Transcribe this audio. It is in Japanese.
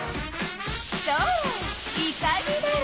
それイカになれ！